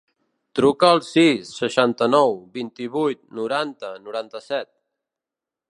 Truca al sis, seixanta-nou, vint-i-vuit, noranta, noranta-set.